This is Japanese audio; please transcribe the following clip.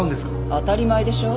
当たり前でしょ。